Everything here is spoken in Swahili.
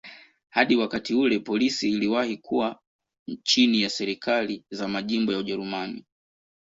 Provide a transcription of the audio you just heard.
Hadi wakati ule polisi iliwahi kuwa chini ya serikali za majimbo ya Ujerumani.